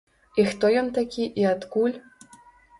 І хто ён такі і адкуль?